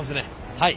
はい。